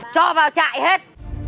cho vào trại hết